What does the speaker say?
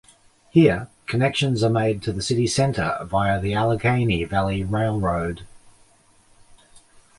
Here, connections are made to the city center via the Allegheny Valley Railroad.